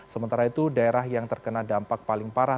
sementara itu daerah yang terkena dampak paling parah